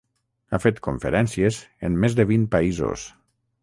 Ha fet conferències en més de vint països.